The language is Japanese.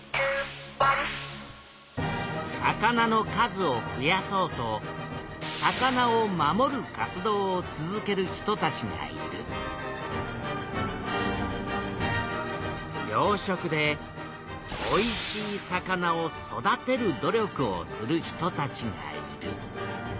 魚の数をふやそうと魚を守る活動を続ける人たちがいる養殖でおいしい魚を育てる努力をする人たちがいる。